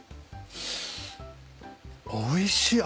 おいしい！